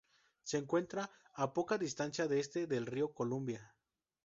Se encuentra a poca distancia al este del río Columbia.